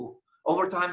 selama beberapa waktu